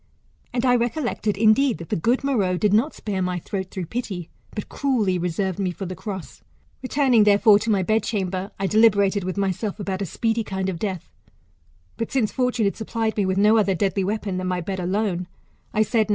And I recollected, indeed, that the good Meroe did not spare my throat through pity, but cruelly reserved me for the cross. Returning, therefore, to my bedchamber, I deliberated with myself about a speedy kind of death ; but since fortune had supplied me with no other deadly weapon than my bed al^ne, I said.